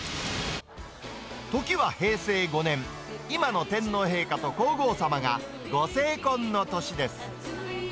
時は平成５年、今の天皇陛下と皇后さまがご成婚の年です。